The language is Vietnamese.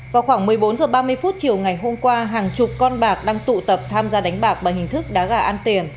vào khoảng một mươi bốn h ba mươi chiều ngày hôm qua hàng chục con bạc đang tụ tập tham gia đánh bạc bằng hình thức đá gà ăn tiền